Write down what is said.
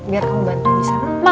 biar kamu bantu bisa ma